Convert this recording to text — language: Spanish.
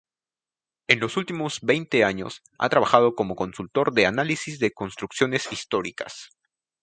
En los últimos veinte años ha trabajado como consultor de Análisis de Construcciones Históricas.